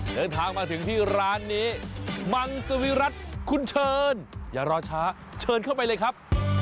เดินทางมาถึงที่ร้านนี้มังสวิรัติคุณเชิญอย่ารอช้าเชิญเข้าไปเลยครับ